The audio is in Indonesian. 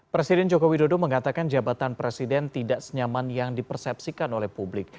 presiden joko widodo mengatakan jabatan presiden tidak senyaman yang dipersepsikan oleh publik